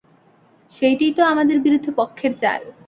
সেইটেই তো আমাদের বিরুদ্ধ পক্ষের চাল।